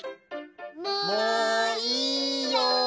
もういいよ！